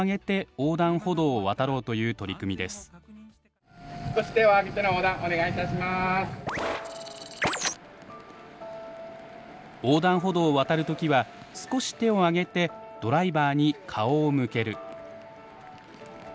横断歩道を渡る時は少し手を上げてドライバーに顔を向ける。